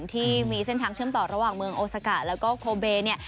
ที่มีเส้นทางเชื่อมต่อระหว่างเมืองโอซากะแล้วก็โคเบเนี่ย